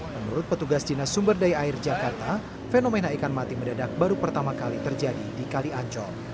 menurut petugas dinas sumberdaya air jakarta fenomena ikan mati mendadak baru pertama kali terjadi di kali ancol